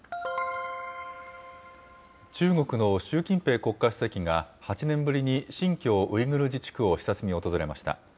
中国の習近平国家主席が８年ぶりに新疆ウイグル自治区を視察に訪れました。